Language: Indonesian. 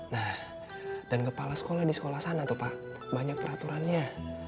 nah dan kepala sekolah di sekolah sana tuh pak banyak peraturannya